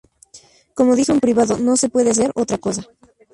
Como dijo en privado ""no se puede hacer otra cosa"".